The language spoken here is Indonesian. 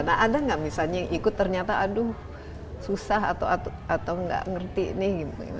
nah ada nggak misalnya yang ikut ternyata aduh susah atau nggak ngerti nih